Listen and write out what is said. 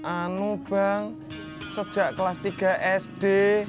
anu bank sejak kelas tiga sd